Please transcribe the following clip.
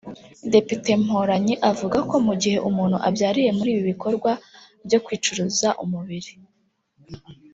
Depite Mporanyi avuga ko mu gihe umuntu abyariye muri ibi bikorwa byo kwicuruza umubiri